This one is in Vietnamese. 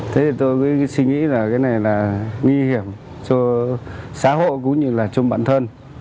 thế thì tôi cứ suy nghĩ là cái này là nguy hiểm cho xã hội cũng như là cho bản thân